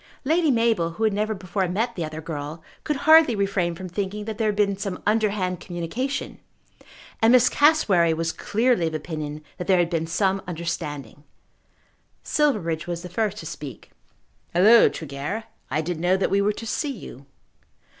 Lady Mabel, who had never before met the other girl, could hardly refrain from thinking that there had been some underhand communication, and Miss Cassewary was clearly of opinion that there had been some understanding. Silverbridge was the first to speak. "Halloo, Tregear, I didn't know that we were to see you."